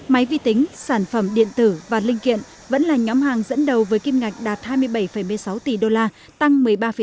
máy vi tính sản phẩm điện tử và linh kiện vẫn là nhóm hàng dẫn đầu với kim ngạch đạt hai mươi bảy một mươi sáu tỷ đô la tăng một mươi ba năm